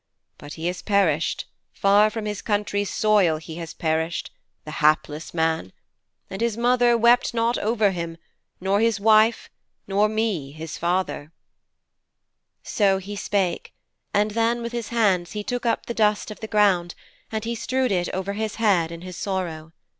But he has perished far from his country's soil he has perished, the hapless man, and his mother wept not over him, nor his wife, nor me, his father.' So he spake and then with his hands he took up the dust of the ground, and he strewed it over his head in his sorrow.